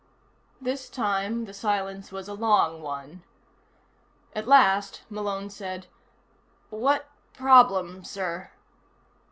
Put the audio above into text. This time, the silence was a long one. At last, Malone said: "What problem, sir?"